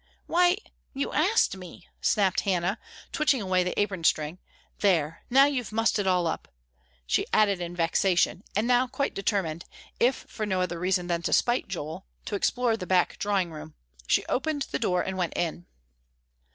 "Why, you asked me," snapped Hannah, twitching away the apron string; "there, now, you've mussed it all up," she added in vexation, and now quite determined, if for no other reason than to spite Joel, to explore the back drawing room, she opened the door and went in.